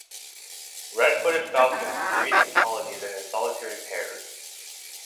Red-footed falcons breed in colonies and in solitary pairs.